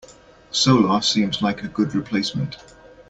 Solar seems like a good replacement.